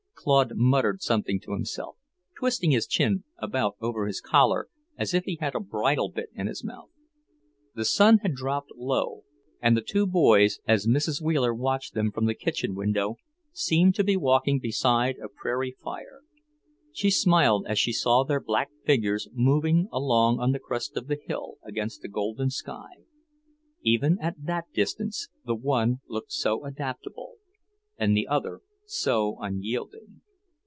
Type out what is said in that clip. Claude muttered something to himself, twisting his chin about over his collar as if he had a bridle bit in his mouth. The sun had dropped low, and the two boys, as Mrs. Wheeler watched them from the kitchen window, seemed to be walking beside a prairie fire. She smiled as she saw their black figures moving along on the crest of the hill against the golden sky; even at that distance the one looked so adaptable, and the other so unyielding.